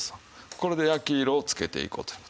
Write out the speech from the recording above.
これで焼き色をつけていこうという事。